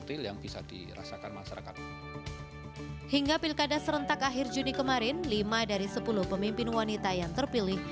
hingga pilkada serentak akhir juni kemarin lima dari sepuluh pemimpin wanita yang terpilih